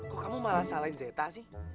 kok kamu malah salah zeta sih